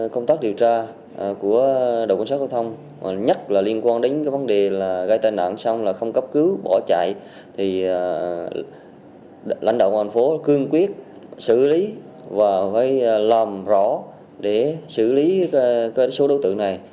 công tác điều tra của đcth nhất liên quan đến vấn đề gây tai nạn xong không cấp cứu bỏ chạy lãnh đạo quân phố cương quyết xử lý và phải làm rõ để xử lý số đối tượng này